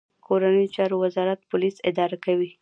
کورنیو چارو وزارت پولیس اداره کوي